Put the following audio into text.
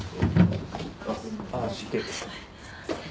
すみません。